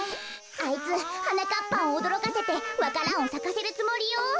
あいつはなかっぱんをおどろかせてわか蘭をさかせるつもりよ。